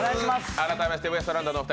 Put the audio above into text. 改めましてウエストランドのお二人、「